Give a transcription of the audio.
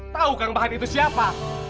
tau kang bahar itu siapa